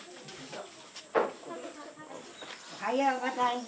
おはようございます。